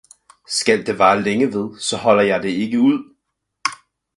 »Skal det vare længe ved, saa holder jeg det ikke ud!